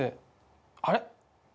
あれ？